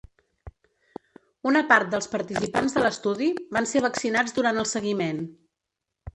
Una part dels participants de l’estudi van ser vaccinats durant el seguiment.